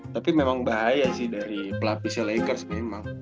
tapi memang bahaya sih dari pelapisnya lakers memang